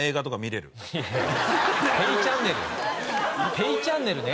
ペイチャンネルね。